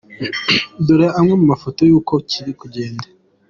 Dore amwe mu mafoto y’uko kiri kugenda :.